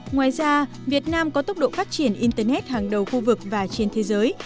ngoài ra việt nam có tốc độ phát triển internet hàng đầu khu vực và trên thế giới